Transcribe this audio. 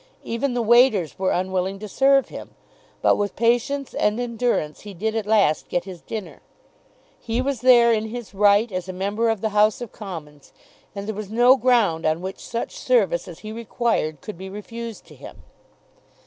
Even the waiters were unwilling to serve him; but with patience and endurance he did at last get his dinner. He was there in his right, as a member of the House of Commons, and there was no ground on which such service as he required could be refused to him.